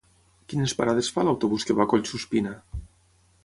Quines parades fa l'autobús que va a Collsuspina?